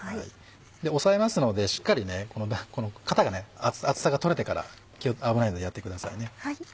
押さえますのでしっかりこの型が熱さが取れてから危ないのでやってくださいね。